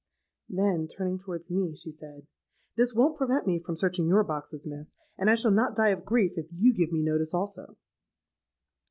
Then, turning towards me, she said, 'This won't prevent me from searching your boxes, miss; and I shall not die of grief if you give me notice also.'